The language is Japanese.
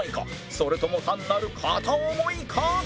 それとも単なる片思いか？